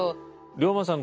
龍馬さん